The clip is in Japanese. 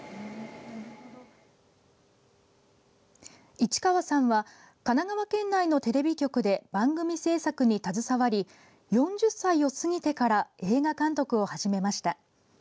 市川さんは神奈川県内のテレビ局で番組制作に携わり４０歳を過ぎてから映画監督を始めました。